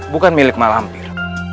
bukan milik malampir